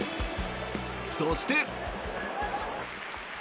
そして。